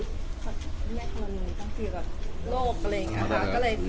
ต้องเกี่ยวกับโลกก็เลย